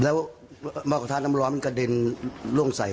แล้วเมาว์กระทะร้องมันดินตัวถือกระดูกใส